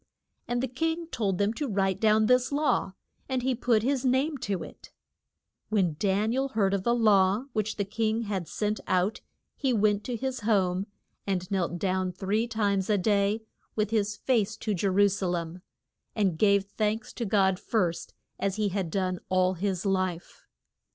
And the king told them to write down this law, and he put his name to it. When Dan i el heard of the law which the king had sent out he went to his home and knelt down three times a day with his face to Je ru sa lem, and gave thanks to God first as he had done all his life.